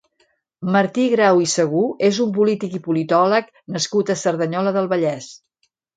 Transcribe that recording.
Martí Grau i Segú és un polític i politòleg nascut a Cerdanyola del Vallès.